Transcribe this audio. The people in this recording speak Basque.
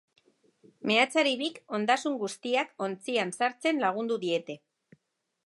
Meatzari bik ondasun guztiak ontzian sartzen lagundu diete.